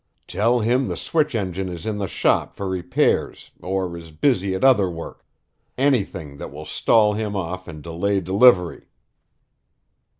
Tell him the switch engine is in the shop for repairs or is busy at other work anything that will stall him off and delay delivery."